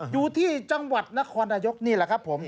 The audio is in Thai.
อยู่ที่จังหวัดนครนายกนี่แหละครับผม